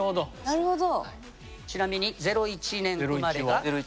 なるほど。